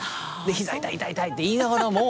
「膝痛い痛い痛い」って言いながらも。